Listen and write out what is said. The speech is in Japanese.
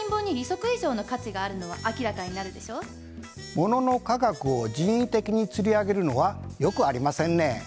ものの価額を人為的につり上げるのはよくありませんね。